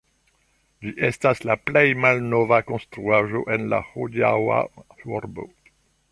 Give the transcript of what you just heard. Ĝi estas la plej malnova konstruaĵo en la hodiaŭa urbo.